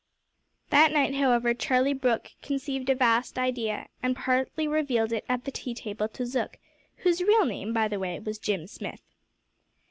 That night however, Charlie Brooke conceived a vast idea, and partially revealed it at the tea table to Zook whose real name, by the way, was Jim Smith.